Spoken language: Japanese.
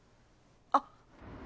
あっ。